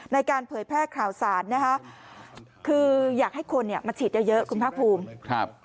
เผยแพร่ข่าวสารนะคะคืออยากให้คนเนี่ยมาฉีดเยอะคุณภาคภูมิครับ